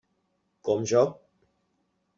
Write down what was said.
Com jo.